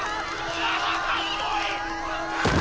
かっこいい！